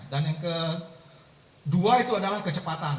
dan yang kedua itu adalah kecepatan